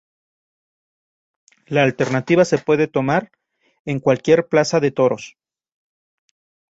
La alternativa se puede tomar en cualquier plaza de toros.